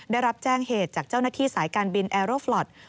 ได้รับแจ้งเหตุจากเจ้าหน้าที่สายการบินแอโรฟลอท